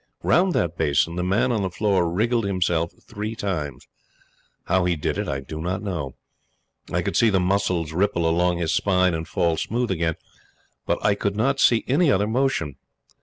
Round that basin the man on the floor wriggled himself three times. How he did it I do not know. I could see the muscles ripple along his spine and fall smooth again; but I could not see any other motion.